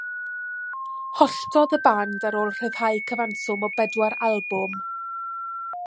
Holltodd y band ar ôl rhyddhau cyfanswm o bedwar albwm.